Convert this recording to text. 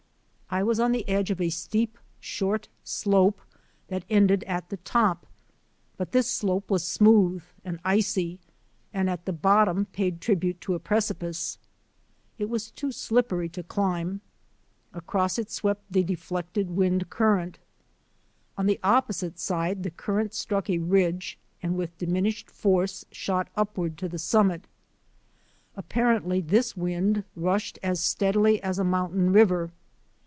I was on the edge of a steep, short slope that ended at the top, but this slope was smooth and icy and at the bottom paid tribute to a precipice. It was too slippery to climb. Across it swept the deflected wind current. On the op posite side the current struck a ridge and with diminished force shot upward to the summit. Ap parently this wind rushed as steadily as a mountain river.